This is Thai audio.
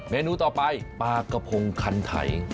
เนนูต่อไปปลากระพงคันไถ